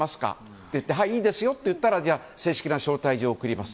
って言ってはい、いいですよって言ったら正式な招待状を送ります。